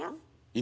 今？